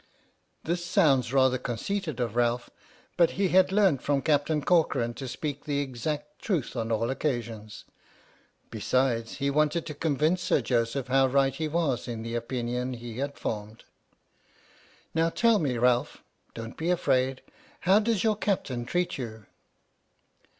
This sounds rather conceited of Ralph, but he had learnt from Captain Corcoran to speak the exact truth on all occasions. Besides, he wanted to con vince Sir Joseph how right he was in the opinion he had formed. 48 H.M.S. "PINAFORE" " Now tell me, Ralph — don't be afraid — how does your Captain treat you?"